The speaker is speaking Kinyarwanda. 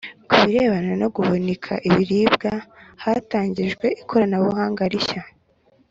Ku birebana no guhunika ibiribwa hatangijwe ikoranabuhanga rishya